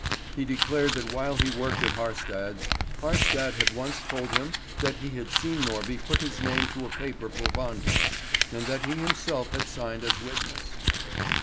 He declared that while he worked at Haarstad's, Haarstad had once told him that he had seen Norby put his name to a paper for Wangen, and that he himself had signed as witness.